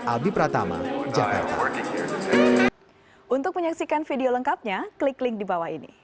albi pratama jakarta